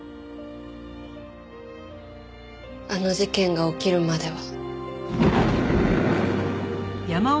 あの事件が起きるまでは。